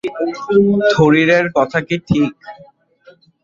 থরিরের কথা কি ঠিক?